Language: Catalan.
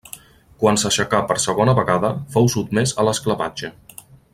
Quan s'aixecà per segona vegada fou sotmés a l'esclavatge.